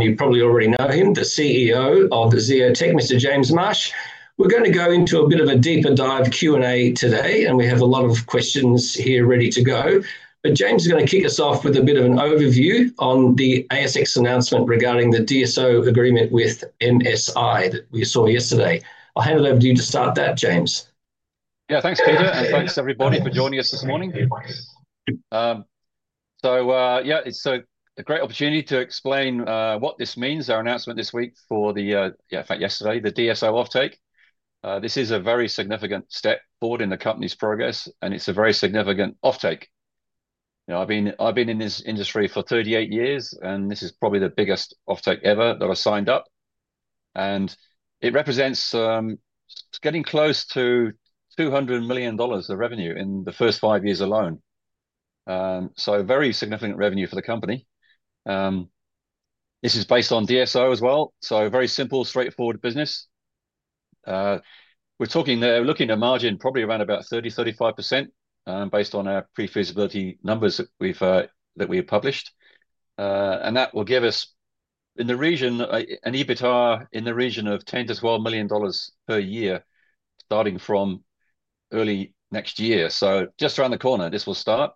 You probably already know him, the CEO of Zeotech, Mr. James Marsh. We're going to go into a bit of a deeper dive Q&A today, and we have a lot of questions here ready to go. James is going to kick us off with a bit of an overview on the ASX announcement regarding the DSO agreement with MSI that we saw yesterday. I'll hand it over to you to start that, James. Yeah, thanks, Peter, and thanks everybody for joining us this morning. It's a great opportunity to explain what this means, our announcement this week, in fact, yesterday, the DSO offtake. This is a very significant step forward in the company's progress, and it's a very significant offtake. I've been in this industry for 38 years, and this is probably the biggest offtake ever that I signed up. It represents getting close to $200 million of revenue in the first five years alone. Very significant revenue for the company. This is based on DSO as well, so very simple, straightforward business. We're talking there, looking at margin probably around about 30%-35% based on our pre-feasibility numbers that we've published. That will give us in the region an EBITDA in the region of $10 million-$12 million per year starting from early next year. Just around the corner, this will start.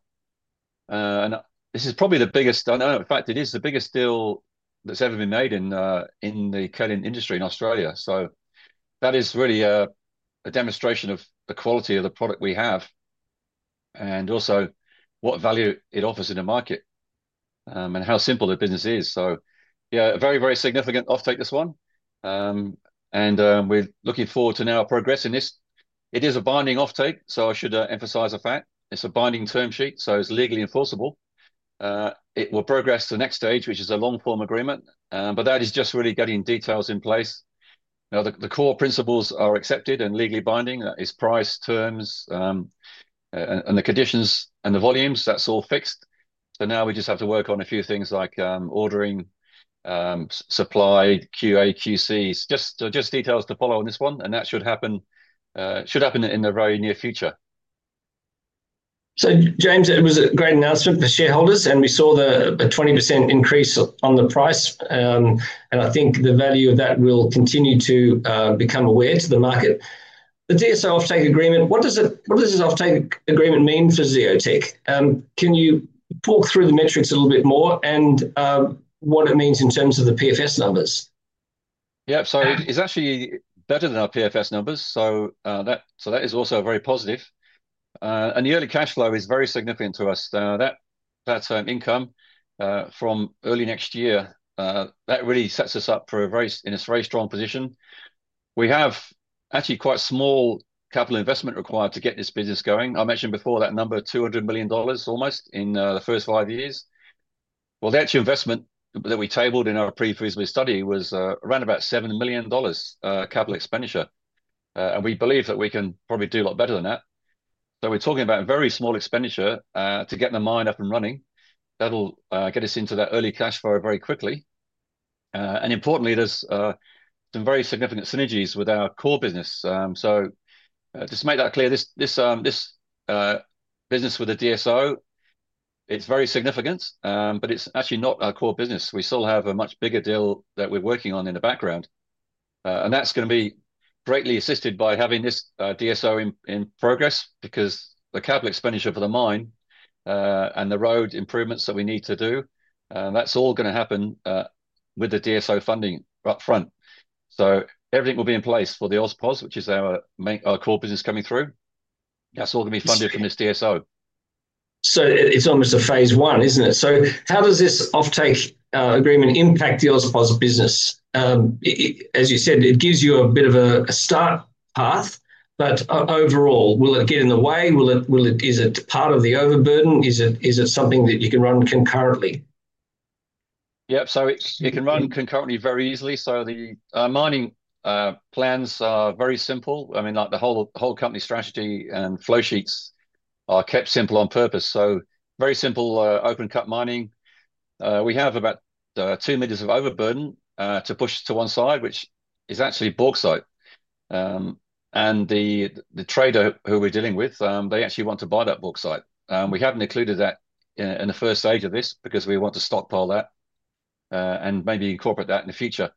This is probably the biggest, I don't know, in fact, it is the biggest deal that's ever been made in the kaolin industry in Australia. That is really a demonstration of the quality of the product we have and also what value it offers in the market and how simple the business is. A very, very significant offtake this one. We're looking forward to now progressing this. It is a binding offtake, so I should emphasize the fact. It's a binding term sheet, so it's legally enforceable. It will progress to the next stage, which is a long-form agreement. That is just really getting details in place. Now, the core principles are accepted and legally binding. That is price, terms, and the conditions, and the volumes. That's all fixed. Now we just have to work on a few things like ordering, supply, QA, QC, just details to follow on this one. That should happen in the very near future. James, it was a great announcement for shareholders, and we saw the 20% increase on the price. I think the value of that will continue to become aware to the market. The DSO offtake agreement what does this offtake agreement mean for Zeotech? Can you talk through the metrics a little bit more and what it means in terms of the PFS numbers? Yeah, so it's actually better than our PFS numbers. That is also very positive. The early cash flow is very significant to us. That's income from early next year. That really sets us up in a very strong position. We have actually quite a small capital investment required to get this business going. I mentioned before that number, $200 million almost in the first five years. The actual investment that we tabled in our pre-feasibility study was around about $7 million capital expenditure. We believe that we can probably do a lot better than that. We're talking about a very small expenditure to get the mine up and running. That'll get us into that early cash flow very quickly. Importantly, there's some very significant synergies with our core business. Just to make that clear, this business with the DSO, it's very significant, but it's actually not our core business. We still have a much bigger deal that we're working on in the background. That's going to be greatly assisted by having this DSO in progress because the capital expenditure for the mine and the road improvements that we need to do, that's all going to happen with the DSO funding upfront. Everything will be in place for the AusPozz, which is our core business coming through. That's all going to be funded from this DSO. It's almost a phase one, isn't it? How does this offtake agreement impact the AusPozz business? As you said, it gives you a bit of a start path, but overall, will it get in the way? Is it part of the overburden? Is it something that you can run concurrently? Yep, so it can run concurrently very easily. The mining plans are very simple. I mean, like the whole company strategy and flow sheets are kept simple on purpose. Very simple, open cut mining. We have about two meters of overburden to push to one side, which is actually a bulk site. The trader who we're dealing with actually wants to buy that bulk site. We haven't included that in the first stage of this because we want to stockpile that and maybe incorporate that in the future.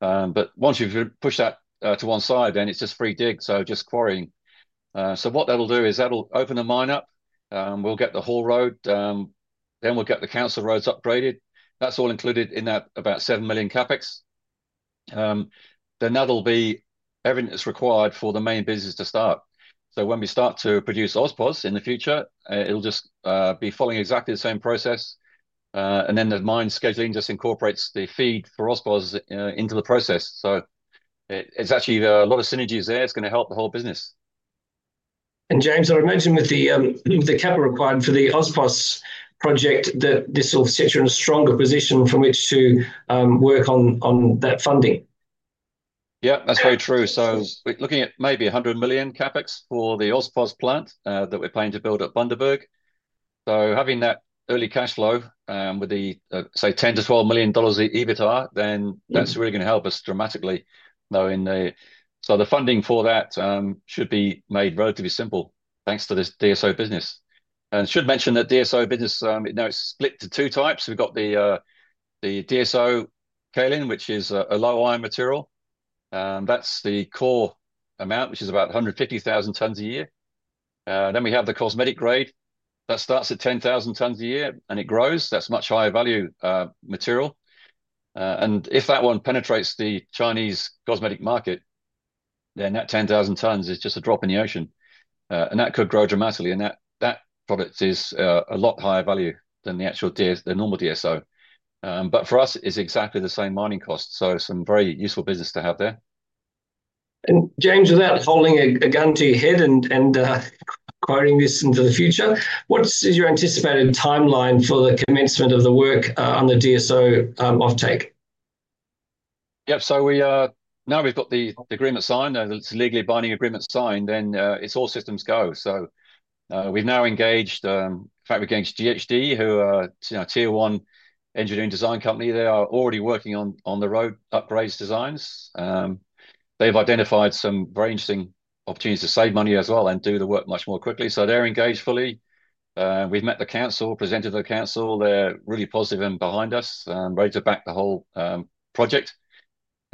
Once we've pushed that to one side, it's just free dig, so just quarrying. What that'll do is open the mine up. We'll get the whole road, then we'll get the council roads upgraded. That's all included in that about $7 million Capex. That'll be everything that's required for the main business to start. When we start to produce AusPozz in the future, it'll just be following exactly the same process. The mine scheduling just incorporates the feed for AusPozz into the process. There are actually a lot of synergies there. It's going to help the whole business. James, I would mention that the capital required for the AusPozz project will set you in a stronger position from which to work on that funding. Yeah, that's very true. We're looking at maybe $100 million CapEx for the AusPozz plant that we're planning to build at Bundaberg Port. Having that early cash flow with the, say, $10 million-$12 million of EBITDA, that's really going to help us dramatically. The funding for that should be made relatively simple thanks to this DSO business. I should mention that DSO business is now split into two types. We've got the DSO kaolin, which is a low-iron material. That's the core amount, which is about 150,000 tons a year. We have the cosmetic grade that starts at 10,000 tons a year and it grows. That's much higher value material. If that one penetrates the Chinese cosmetic market, that 10,000 tons is just a drop in the ocean. That could grow dramatically. That product is a lot higher value than the actual normal DSO. For us, it's exactly the same mining cost. It's some very useful business to have there. James, without holding a guarantee ahead and quoting this into the future, what is your anticipated timeline for the commencement of the work on the DSO offtake? Yep, now we've got the agreement signed. Now that it's a legally binding agreement signed, it's all systems go. We've now engaged GHD, who are a tier one engineering design company. They are already working on the road upgrades designs. They've identified some very interesting opportunities to save money as well and do the work much more quickly. They're engaged fully. We've met the council, presented to the council. They're really positive and behind us, ready to back the whole project.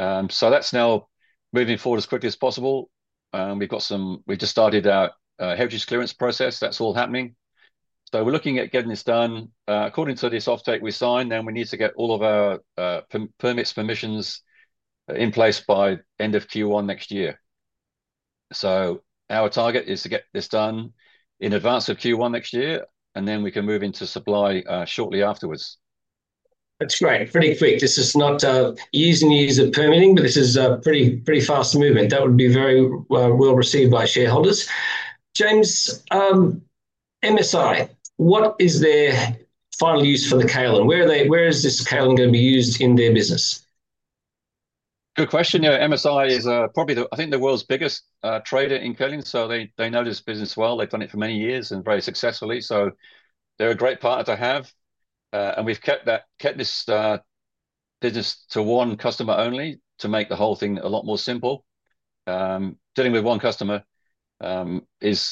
That's now moving forward as quickly as possible. We've just started our heritage clearance process. That's all happening. We're looking at getting this done. According to this offtake we signed, we need to get all of our permits, permissions in place by end of Q1 next year. Our target is to get this done in advance of Q1 next year, and then we can move into supply shortly afterwards. That's right, pretty quick. This is not easy and easy permitting, but this is a pretty, pretty fast movement. That would be very well received by shareholders. James, MSI, what is their final use for the kaolin? Where is this kaolin going to be used in their business? Good question. Yeah, MSI is probably, I think, the world's biggest trader in kaolin. They know this business well. They've done it for many years and very successfully. They're a great partner to have. We've kept this business to one customer only to make the whole thing a lot more simple. Dealing with one customer with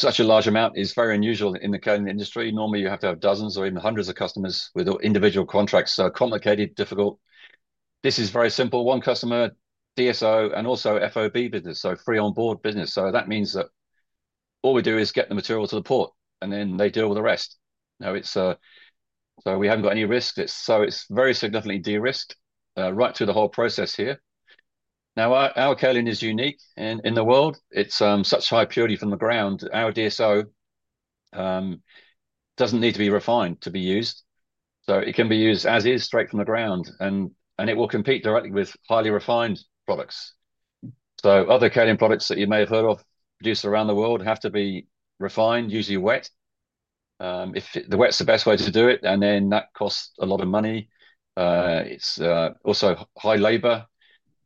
such a large amount is very unusual in the kaolin industry. Normally, you have to have dozens or even hundreds of customers with individual contracts. It's so complicated, difficult. This is very simple. One customer, DSO, and also FOB business, so free on board business. That means that all we do is get the material to the port and then they deal with the rest. We haven't got any risks. It's very significantly de-risked right through the whole process here. Now our kaolin is unique in the world. It's such high purity from the ground. Our DSO doesn't need to be refined to be used. It can be used as is, straight from the ground, and it will compete directly with highly refined products. Other kaolin products that you may have heard of produced around the world have to be refined, usually wet. The wet is the best way to do it, and that costs a lot of money. It's also high labor.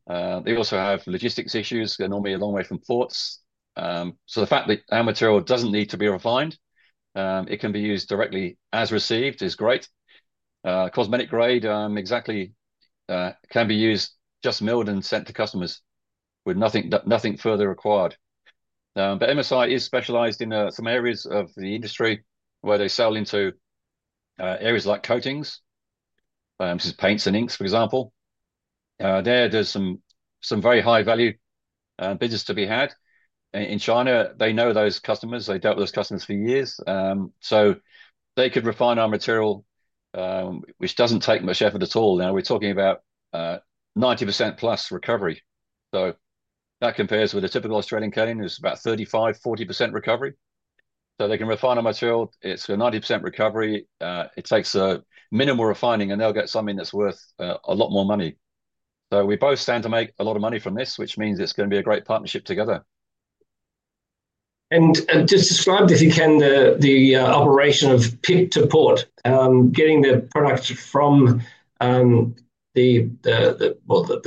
They also have logistics issues. They're normally a long way from ports. The fact that our material doesn't need to be refined, it can be used directly as received, is great. Cosmetic grade exactly can be used just milled and sent to customers with nothing further required. MSI is specialized in some areas of the industry where they sell into areas like coatings, which is paints and inks, for example. There's some very high value business to be had. In China, they know those customers. They've dealt with those customers for years. They could refine our material, which doesn't take much effort at all. Now we're talking about 90%+ recovery. That compares with a typical Australian kaolin who's about 35%-40% recovery. They can refine our material. It's a 90% recovery. It takes minimal refining and they'll get something that's worth a lot more money. We both stand to make a lot of money from this, which means it's going to be a great partnership together. Could you describe, if you can, the operation of pit to port, getting the product from the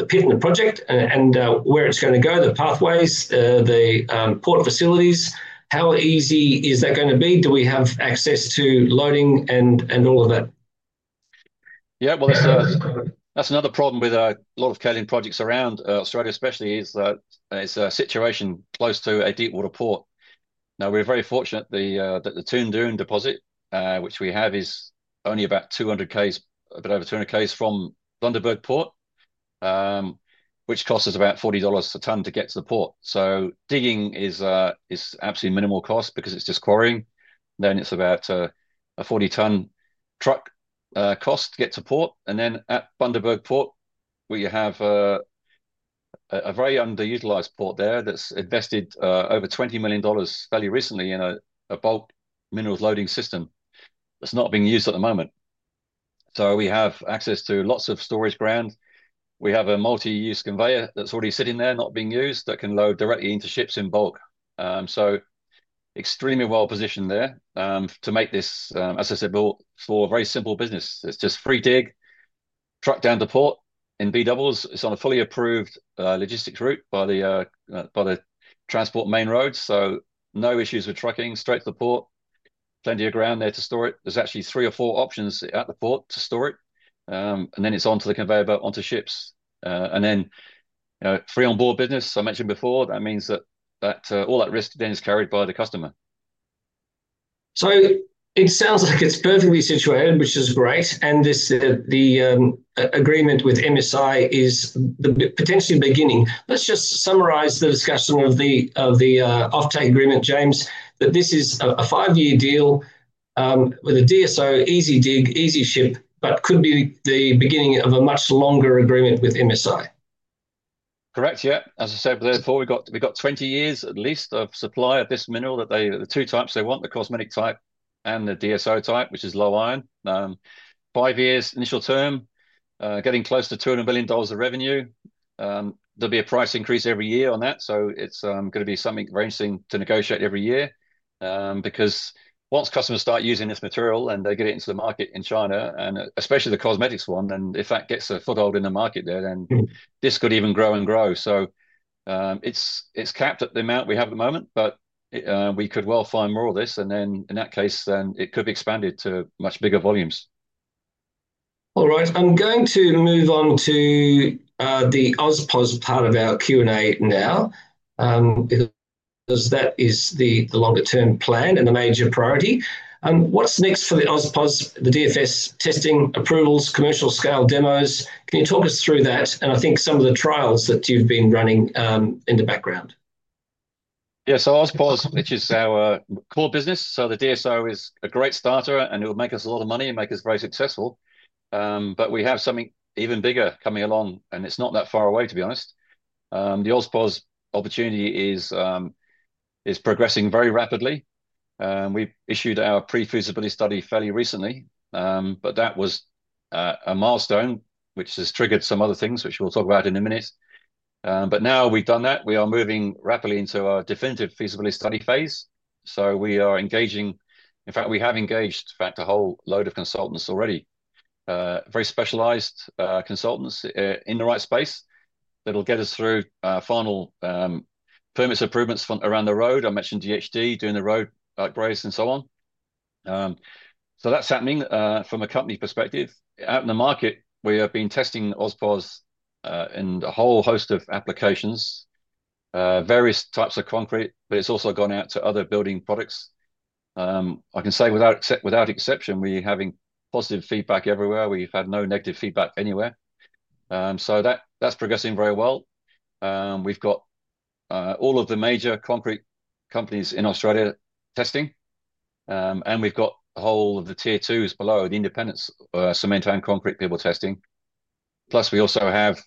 pit project and where it's going to go, the pathways, the port facilities? How easy is that going to be? Do we have access to loading and all of that? Yeah, that's another problem with a lot of kaolin projects around Australia, especially that it's a situation close to a deep water port. Now we're very fortunate that the Toondoon deposit, which we have, is only about 200 Km, a bit over 200 Km from Bundaberg Port, which costs us about $40 a ton to get to the port. Digging is absolutely minimal cost because it's just quarrying. It's about a $40/ton truck cost to get to port. At Bundaberg Port, we have a very underutilized port there that's invested over $20 million value recently in a bulk minerals loading system that's not being used at the moment. We have access to lots of storage brand. We have a multi-use conveyor that's already sitting there, not being used, that can load directly into ships in bulk. Extremely well positioned there to make this, as I said, for a very simple business. It's just free dig, truck down to port in B doubles. It's on a fully approved logistics route by the transport main road. No issues with trucking, straight to the port, plenty of ground there to store it. There's actually three or four options at the port to store it. It's onto the conveyor belt onto ships. Free on board business, as I mentioned before, that means that all that risk then is carried by the customer. It sounds like it's perfectly situated, which is great. This agreement with MSI is potentially the beginning. Let's just summarize the discussion of the offtake agreement, James, that this is a five-year deal with a DSO, easy dig, easy ship, but could be the beginning of a much longer agreement with MSI. Correct, yeah. As I said before, we've got 20 years at least of supply of this mineral that they, the two types they want, the cosmetic type and the DSO type, which is low iron. Five-year initial term, getting close to $200 million of revenue. There'll be a price increase every year on that. It's going to be something very interesting to negotiate every year. Because once customers start using this material and they get it into the market in China, and especially the cosmetics one, if that gets a foothold in the market there, this could even grow and grow. It's capped at the amount we have at the moment, but we could well find more of this. In that case, it could be expanded to much bigger volumes. All right, I'm going to move on to the AusPozz part of our Q&A now, because that is the longer-term plan and the major priority. What's next for the AusPozz, the DFS testing, approvals, commercial scale demos? Can you talk us through that? I think some of the trials that you've been running in the background. Yeah, so AusPozz, which is our core business, the DSO is a great starter and it will make us a lot of money and make us very successful. We have something even bigger coming along and it's not that far away, to be honest. The AusPozz opportunity is progressing very rapidly. We issued our pre-feasibility study fairly recently, that was a milestone, which has triggered some other things, which we'll talk about in a minute. Now we've done that, we are moving rapidly into our definitive feasibility study phase. We are engaging, in fact, we have engaged a whole load of consultants already, very specialized consultants in the right space that will get us through our final permits improvements around the road. I mentioned DHD doing the road upgrades and so on. That's happening from a company perspective. Out in the market, we have been testing AusPozz in a whole host of applications, various types of concrete, but it's also gone out to other building products. I can say without exception, we're having positive feedback everywhere. We've had no negative feedback anywhere. That's progressing very well. We've got all of the major concrete companies in Australia testing, and we've got all of the tier twos below, the independent cement and concrete people testing. Plus, we also have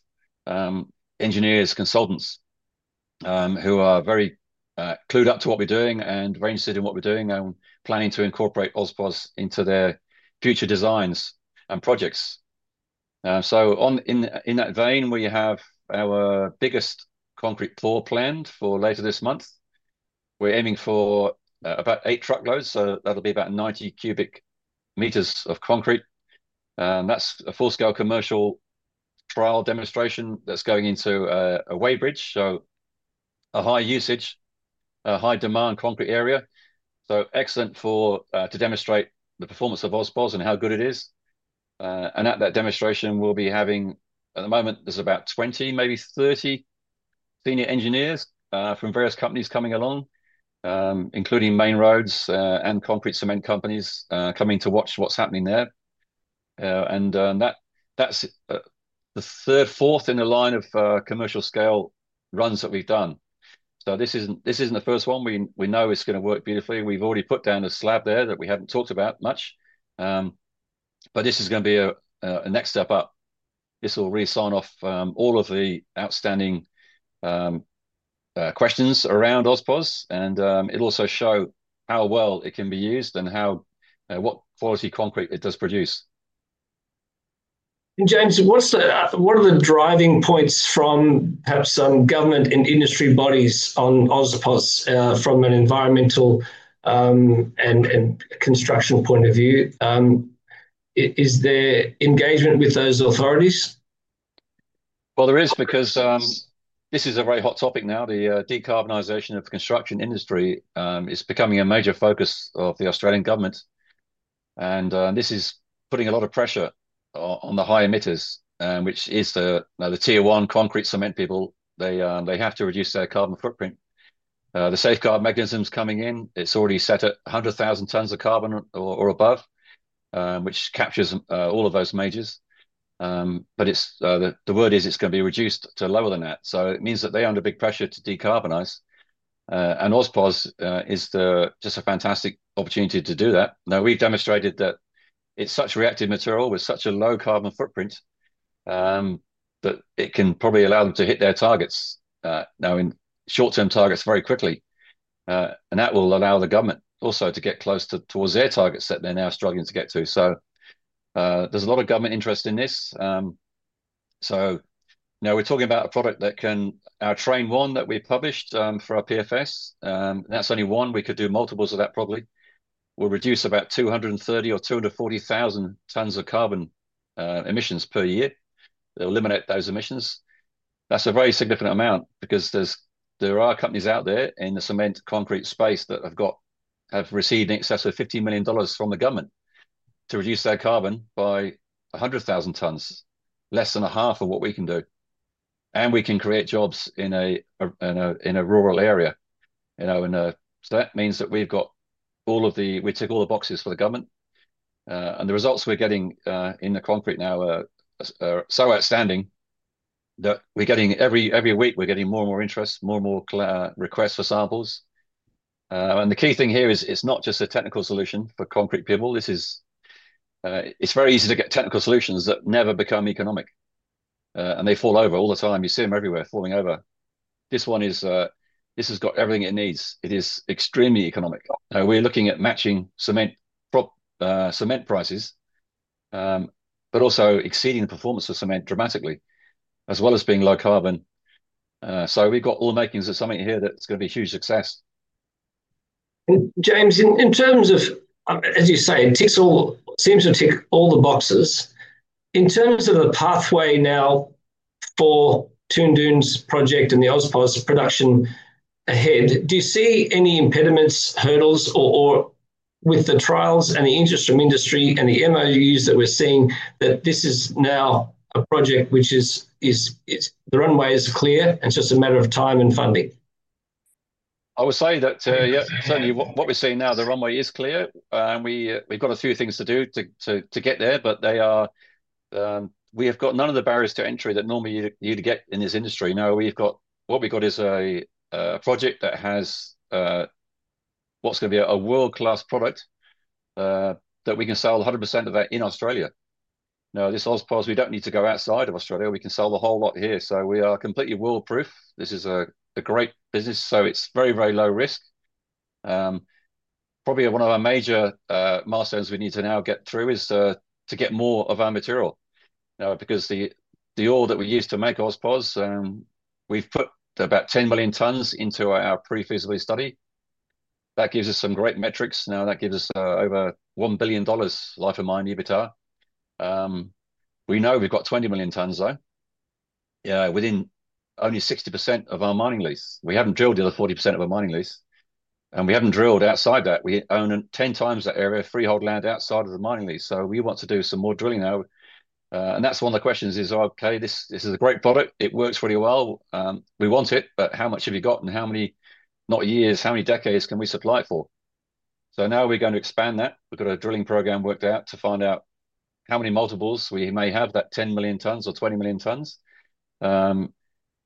engineers, consultants who are very clued up to what we're doing and very interested in what we're doing and planning to incorporate AusPozz into their future designs and projects. In that vein, we have our biggest concrete tour planned for later this month. We're aiming for about eight truckloads, so that'll be about 90 cu m of concrete. That's a full-scale commercial trial demonstration that's going into a weighbridge, a high usage, a high demand concrete area. Excellent to demonstrate the performance of AusPozz and how good it is. At that demonstration, we'll be having, at the moment, there's about 20, maybe 30 Senior Engineers from various companies coming along, including main roads and concrete cement companies coming to watch what's happening there. That's the third, fourth in the line of commercial-scale runs that we've done. This isn't the first one. We know it's going to work beautifully. We've already put down a slab there that we haven't talked about much. This is going to be a next step up. This will really sign off all of the outstanding questions around AusPozz, and it'll also show how well it can be used and what quality concrete it does produce. James, what are the driving points from perhaps some government and industry bodies on AusPozz from an environmental and construction point of view? Is there engagement with those authorities? There is because this is a very hot topic now. The decarbonization of the construction industry is becoming a major focus of the Australian government. This is putting a lot of pressure on the high emitters, which is the tier one concrete cement people. They have to reduce their carbon footprint. The safeguard mechanisms coming in, it's already set at 100,000 tons of carbon or above, which captures all of those majors. The word is it's going to be reduced to lower than that. It means that they are under big pressure to decarbonize. AusPozz is just a fantastic opportunity to do that. We've demonstrated that it's such reactive material with such a low carbon footprint that it can probably allow them to hit their targets, now in short-term targets very quickly. That will allow the government also to get close towards their targets that they're now struggling to get to. There's a lot of government interest in this. Now we're talking about a product that can our train one that we published for our PFS. That's only one. We could do multiples of that probably. We'll reduce about 230,000 or 240,000 tons of carbon emissions per year. They'll eliminate those emissions. That's a very significant amount because there are companies out there in the cement concrete space that have received in excess of $15 million from the government to reduce their carbon by 100,000 tons, less than a half of what we can do. We can create jobs in a rural area. That means that we've got all of the, we tick all the boxes for the government. The results we're getting in the concrete now are so outstanding that we're getting every week, we're getting more and more interest, more and more requests for samples. The key thing here is it's not just a technical solution for concrete people. It's very easy to get technical solutions that never become economic. They fall over all the time. You see them everywhere falling over. This one is, this has got everything it needs. It is extremely economic. We're looking at matching cement prices, but also exceeding the performance of cement dramatically, as well as being low-carbon. We've got all the makings of something here that's going to be a huge success. James, in terms of, as you say, it seems to tick all the boxes. In terms of the pathway now for Toondoon's project and the AusPozz production ahead, do you see any impediments, hurdles, or with the trials, any interest from industry, any MOUs that we're seeing that this is now a project which is, the runway is clear and it's just a matter of time and funding? I would say that, yeah, certainly what we're seeing now, the runway is clear. We've got a few things to do to get there, but we have got none of the barriers to entry that normally you'd get in this industry. Now we've got a project that has what's going to be a world-class product that we can sell 100% of that in Australia. Now this AusPozz, we don't need to go outside of Australia. We can sell the whole lot here. We are completely world-proof. This is a great business. It's very, very low risk. Probably one of our major milestones we need to now get through is to get more of our material. Because the ore that we use to make AusPozz, we've put about 10 million tons into our pre-feasibility study. That gives us some great metrics. That gives us over $1 billion like a mine EBITDA. We know we've got 20 million tons though, within only 60% of our mining lease. We haven't drilled the other 40% of our mining lease, and we haven't drilled outside that. We own 10x that area of freehold land outside of the mining lease. We want to do some more drilling now. One of the questions is, okay, this is a great product. It works really well. We want it, but how much have you got? How many, not years, how many decades can we supply it for? Now we're going to expand that. We've got a drilling program worked out to find out how many multiples we may have, that 10 million tons or 20 million tons.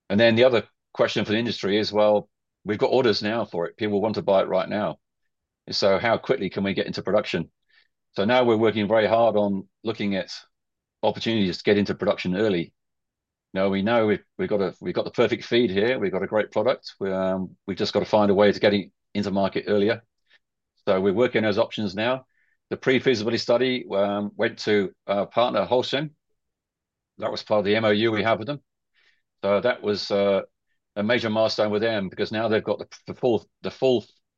The other question for the industry is, we've got orders now for it. People want to buy it right now. How quickly can we get into production? We're working very hard on looking at opportunities to get into production early. We know we've got the perfect feed here. We've got a great product. We've just got to find a way to get it into market earlier. We're working those options now. The pre-feasibility study went to our partner, Holcim. That was part of the MOU we had with them. That was a major milestone with them because now they've got the full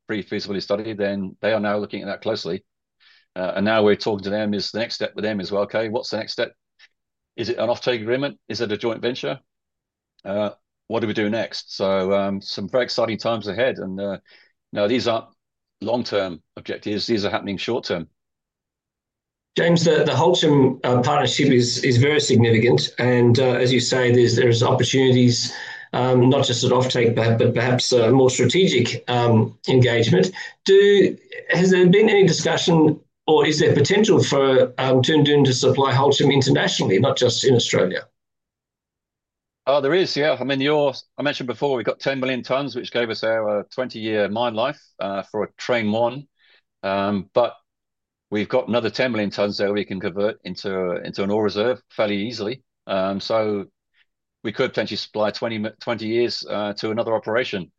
pre-feasibility study. They are now looking at that closely, and now we're talking to them. The next step with them is, okay, what's the next step? Is it an offtake agreement? Is it a joint venture? What do we do next? Some very exciting times ahead. These aren't long-term objectives. These are happening short-term. James, the Holcim partnership is very significant. As you say, there's opportunities, not just at offtake, but perhaps more strategic engagement. Has there been any discussion or is there potential for Toondoon to supply Holcim internationally, not just in Australia? Oh, there is, yeah. I mean, I mentioned before we've got 10 million tons, which gave us our 20-year mine life for a train one. We've got another 10 million tons there we can convert into an ore reserve fairly easily. We could potentially supply 20 years to another operation.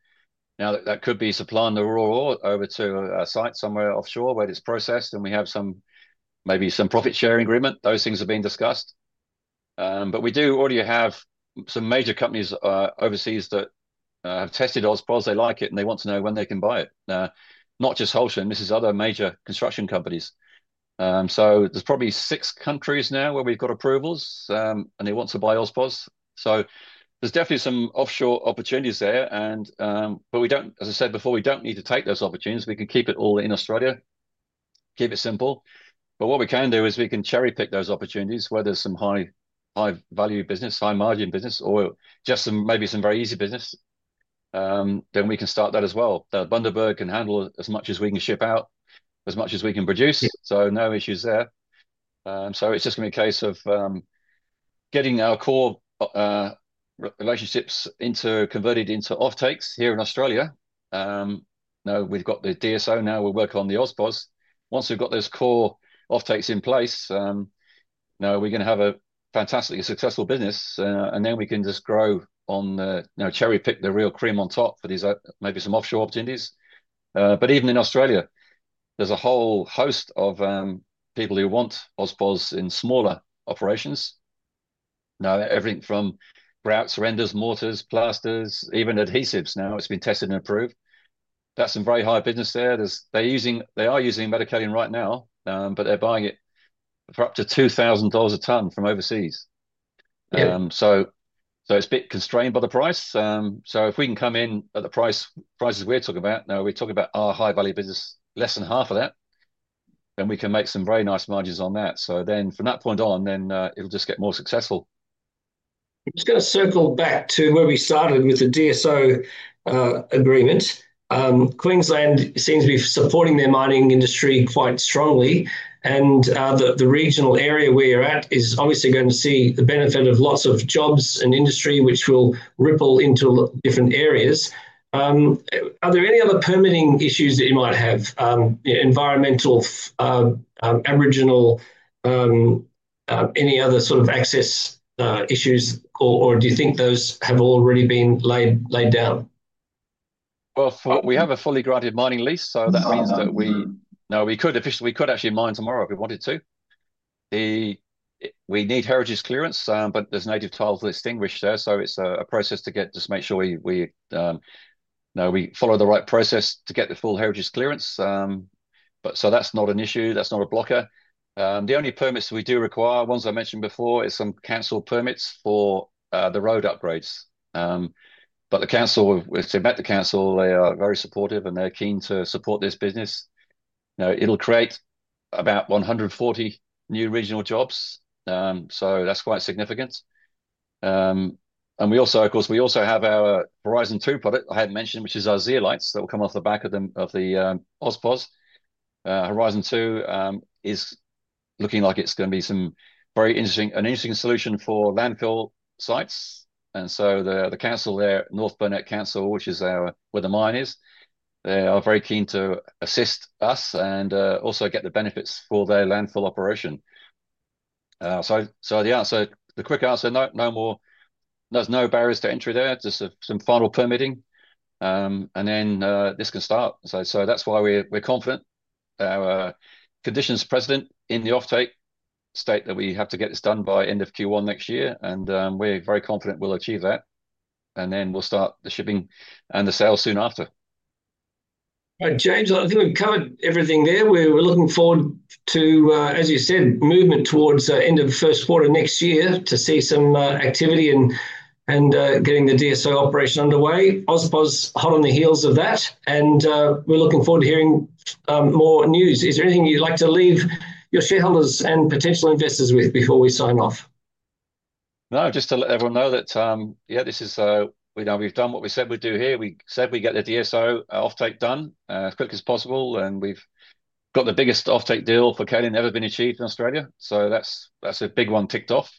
That could be supplying the raw ore over to a site somewhere offshore where it's processed and we have maybe some profit-sharing agreement. Those things are being discussed. We do already have some major companies overseas that have tested AusPozz. They like it and they want to know when they can buy it. Not just Holcim. This is other major construction companies. There's probably six countries now where we've got approvals and they want to buy AusPozz. There's definitely some offshore opportunities there. As I said before, we don't need to take those opportunities. We can keep it all in Australia, keep it simple. What we can do is we can cherry-pick those opportunities, whether it's some high-value business, high-margin business, or just maybe some very easy business. We can start that as well. Bundaberg can handle as much as we can ship out, as much as we can produce. No issues there. It's just going to be a case of getting our core relationships converted into offtakes here in Australia. We've got the DSO now. We're working on the AusPozz. Once we've got those core offtakes in place, we're going to have a fantastically successful business. We can just grow on the, now cherry-pick the real cream on top for these, maybe some offshore opportunities. Even in Australia, there's a whole host of people who want AusPozz in smaller operations. Everything from grouts, renders, mortars, plasters, even adhesives. It's been tested and approved. That's some very high business there. They are using metakaolin right now, but they're buying it for up to $2,000 a ton from overseas. It's a bit constrained by the price. If we can come in at the prices we're talking about, we're talking about our high-value business, less than half of that, then we can make some very nice margins on that. From that point on, it'll just get more successful. I'm just going to circle back to where we started with the DSO agreement. Queensland seems to be supporting their mining industry quite strongly. The regional area we are at is obviously going to see the benefit of lots of jobs and industry, which will ripple into different areas. Are there any other permitting issues that you might have? Environmental, Aboriginal, any other sort of access issues, or do you think those have already been laid down? We have a fully granted mining lease, so that means that we could actually mine tomorrow if we wanted to. We need heritage clearance, but there's native titles that are extinguished there. It's a process to make sure we follow the right process to get the full heritage clearance. That's not an issue. That's not a blocker. The only permits we do require, ones I mentioned before, are some council permits for the road upgrades. The council, we've met the council, they are very supportive and they're keen to support this business. It'll create about 140 new regional jobs. That's quite significant. We also, of course, have our Horizon 2 product I had mentioned, which is our Zeolites that will come off the back of the AusPozz. Horizon 2 is looking like it's going to be an interesting solution for landfill sites. The council there, North Burnett Council, which is where the mine is, they are very keen to assist us and also get the benefits for their landfill operation. The answer, the quick answer, no more, there's no barriers to entry there, just some final permitting. This can start. That's why we're confident. Our conditions precedent in the offtake state that we have to get this done by end of Q1 next year. We're very confident we'll achieve that. We'll start the shipping and the sale soon after. Right, James, I think we've covered everything there. We're looking forward to, as you said, movement towards the end of the first quarter next year to see some activity and getting the DSO operation underway. AusPozz is hot on the heels of that. We're looking forward to hearing more news. Is there anything you'd like to leave your shareholders and potential investors with before we sign off? No, just to let everyone know that, yeah, this is, you know, we've done what we said we'd do here. We said we'd get the DSO offtake done as quick as possible, and we've got the biggest offtake deal for kaolin ever been achieved in Australia. That's a big one ticked off.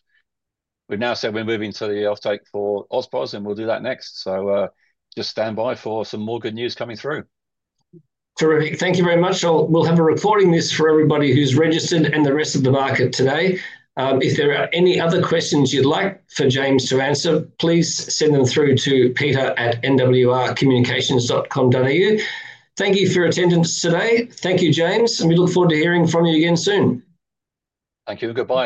We've now said we're moving to the offtake for AusPozz, and we'll do that next. Just stand by for some more good news coming through. Terrific. Thank you very much. We'll have a recording list for everybody who's registered and the rest of the market today. If there are any other questions you'd like for James to answer, please send them through to peter@nwrcommunications.com.au. Thank you for your attendance today. Thank you, James. We look forward to hearing from you again soon. Thank you. Goodbye.